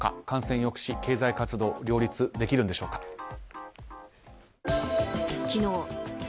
感染抑止、経済活動両立できるんでしょうか。